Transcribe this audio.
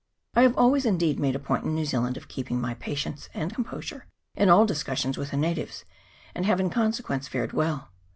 I have always indeed made a point in New Zealand of keeping my patience and composure in all discussions with the natives, and have in consequence fared well.